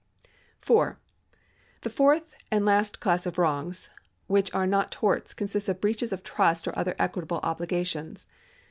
^ 4. The fourth and hist class of wrongs which are not torts consists of breaches of trusts or other equitable obligations.